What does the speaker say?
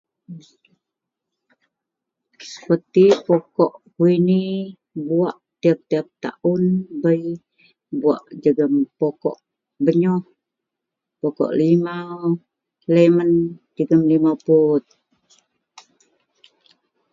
seperti pokok kuini, buwak tiap-tiap taaun bei, buwak jegum pokok benyoh, pokok limau, lemon, jegum limau purut